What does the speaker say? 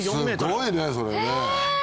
すっごいねそれね。